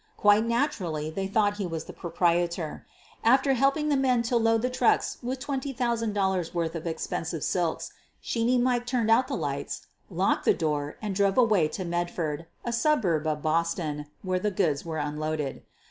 Quite naturally they thought he was the proprietor. After helping the men to load the trucks with $20, 000 worth of expensive silks, "Sheeney Mike" turned out the lights, locked the door, and drove away to Medford, a suburb of Boston, where the goods were unloaded.